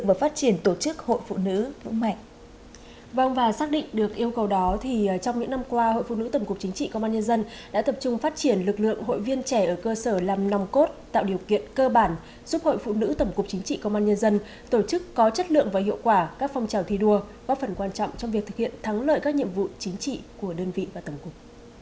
vâng và xác định được yêu cầu đó thì trong những năm qua hội phụ nữ tầm cục chính trị công an nhân dân đã tập trung phát triển lực lượng hội viên trẻ ở cơ sở làm nòng cốt tạo điều kiện cơ bản giúp hội phụ nữ tầm cục chính trị công an nhân dân tổ chức có chất lượng và hiệu quả các phong trào thi đua có phần quan trọng trong việc thực hiện thắng lợi các nhiệm vụ chính trị của đơn vị và tầm cục